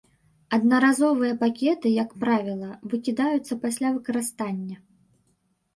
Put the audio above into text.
Аднаразовыя пакеты, як правіла, выкідаюцца пасля выкарыстання.